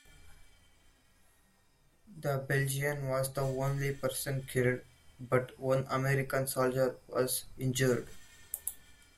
The Belgian was the only person killed, but one American soldier was injured.